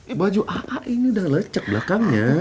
eh baju aa ini udah lecek belakangnya